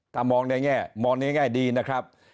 ถ้ามองในแง่ดีนะครับ